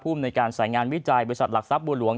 ผู้อำนวยการสายงานวิจัยบริษัทหลักทรัพย์บูรลวง